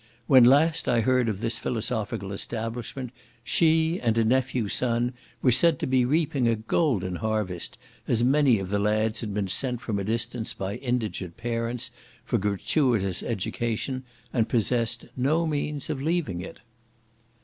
When last I heard of this philosophical establishment, she, and a nephew son were said to be reaping a golden harvest, as many of the lads had been sent from a distance by indigent parents, for gratuitous education, and possessed no means of leaving it.